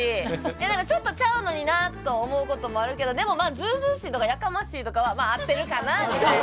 だからちょっとちゃうのになあと思うこともあるけどでもまあずうずうしいとかやかましいとかはまあ合ってるかなあみたいな。